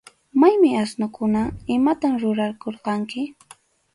¿Maymi asnukuna? ¿Imatam rurarqurqanki?